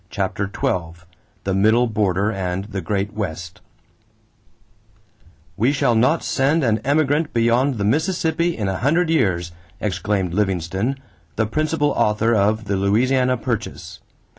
CHAPTER XII THE MIDDLE BORDER AND THE GREAT WEST "We shall not send an emigrant beyond the Mississippi in a hundred years," exclaimed Livingston, the principal author of the Louisiana purchase.